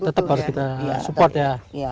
tetap harus kita support ya